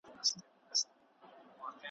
له آمو تر ګل سرخه هر لوېشت مي شالمار کې `